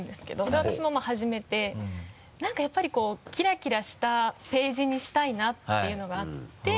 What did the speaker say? で私も始めてなんかやっぱりこうキラキラしたページにしたいなっていうのがあって。